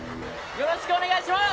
よろしくお願いします。